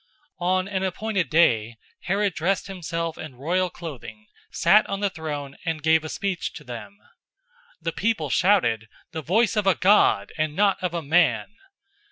012:021 On an appointed day, Herod dressed himself in royal clothing, sat on the throne, and gave a speech to them. 012:022 The people shouted, "The voice of a god, and not of a man!"